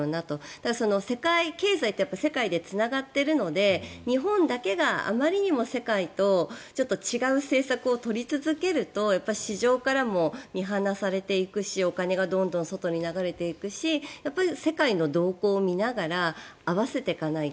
ただ、経済って世界でつながっているので日本だけがあまりにも世界とちょっと違う政策を取り続けると市場からも見放されていくしお金がどんどん外に流れていくし世界の動向を見ながら合わせていかないと。